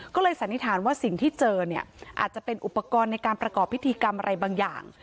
ก็เลยสันนิษฐานว่าสิ่งที่เจอเนี่ยอาจจะเป็นอุปกรณ์ในการประกอบพิธีกรรมอะไรบางอย่าง